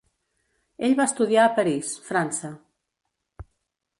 Ell va estudiar a París, França.